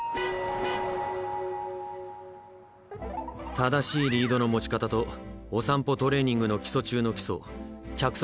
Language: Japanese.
正しいリードの持ち方とお散歩トレーニングの基礎中の基礎脚側